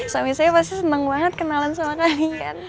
suami saya pasti senang banget kenalan sama kalian